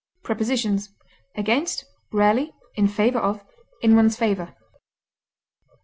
Prepositions: Against; rarely, in favor of, in one's favor.